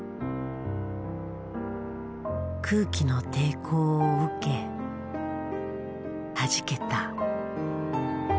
空気の抵抗を受けはじけた。